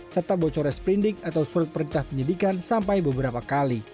serta bocoran sprindik atau surat perintah penyidikan sampai beberapa kali